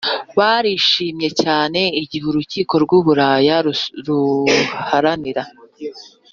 Barishimye cyane igihe urukiko rw u burayi ruharanira